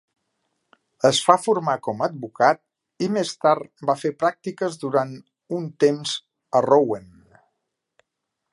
Es fa formar com a advocat i més tard va fer pràctiques durant un temps a Rouen.